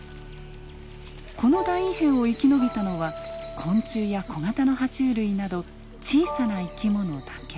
この大異変を生き延びたのは昆虫や小型のは虫類など小さな生き物だけ。